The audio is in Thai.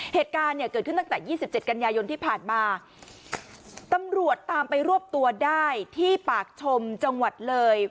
เหตุการณ์เนี่ยเกิดขึ้นตั้งแต่ยี่สิบเจ็ดกันยายนที่ผ่านมาตำรวจตามไปรวบตัวได้ที่ปากชมจังหวัดเลย